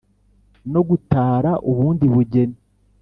no gutara ubundi bugeni